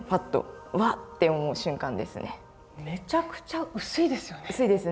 めちゃくちゃ薄いですよね。